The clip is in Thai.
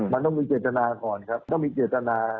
มันต้องมีเจตนาก่อนครับต้องมีเจตนา